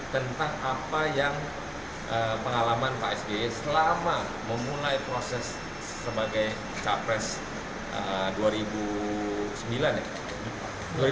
tentang apa yang pengalaman pak sby selama memulai proses sebagai capres dua ribu sembilan ya